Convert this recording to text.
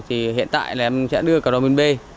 thì hiện tại em sẽ đưa cà rô minh bê